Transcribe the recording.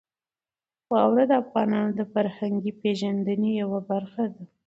واوره د افغانانو د فرهنګي پیژندنې یوه برخه ده.